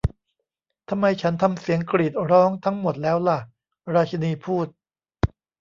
'ทำไมฉันทำเสียงกรีดร้องทั้งหมดแล้วล่ะ' ราชินีพูด